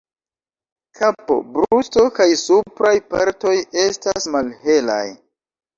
Kapo, brusto kaj supraj partoj estas malhelaj.